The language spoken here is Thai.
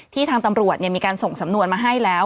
ทางตำรวจมีการส่งสำนวนมาให้แล้ว